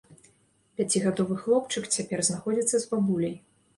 Пяцігадовы хлопчык цяпер знаходзіцца з бабуляй.